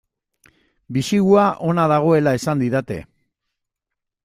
Bisigua ona dagoela esan didate.